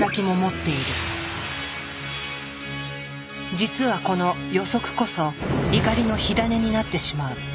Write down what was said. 実はこの予測こそ怒りの火種になってしまう。